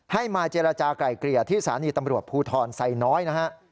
ให้มาเจรจากลายเกลี่ยที่สถานีตำรวจภูทรไซน้อยนะฮะ